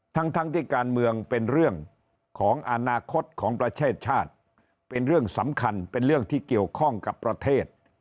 ทั้งทั้งที่การเมืองเป็นเรื่องของอนาคตของประเทศชาติเป็นเรื่องสำคัญเป็นเรื่องที่เกี่ยวข้องกับประเทศ